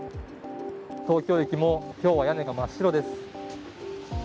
東京駅も今日は屋根が真っ白です。